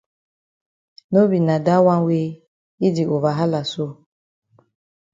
No be na dat wan wey yi di over hala so.